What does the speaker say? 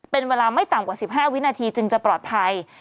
เป็นเวลาไม่ต่ำกว่า๑๕วินาทีจึงจะปลอดภัย